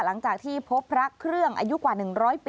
หลังจากที่พบพระเครื่องอายุกว่า๑๐๐ปี